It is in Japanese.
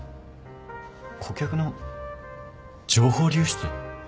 顧客の情報流出！？